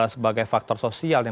sebagai faktor sosial yang